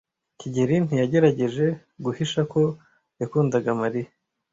kigeli ntiyagerageje guhisha ko yakundaga Mariya.